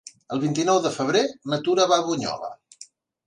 El vint-i-nou de febrer na Tura va a Bunyola.